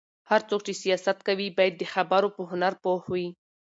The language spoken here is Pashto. هر څوک چې سياست کوي، باید د خبرو په هنر پوه وي.